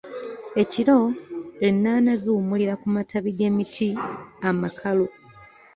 Ekiro ennaana ziwummulira ku matabi g'emiti amakalu.